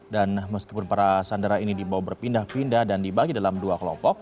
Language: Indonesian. dan meskipun para sandara ini dibawa berpindah pindah dan dibagi dalam dua kelompok